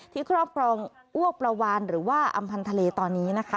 ครอบครองอ้วกปลาวานหรือว่าอำพันธ์ทะเลตอนนี้นะคะ